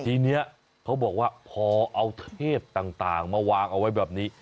ทีนี้เขาบอกว่าพอเอาเทพต่างมาวางเอาไว้แบบนี้